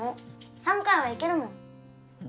３回は行けるもん。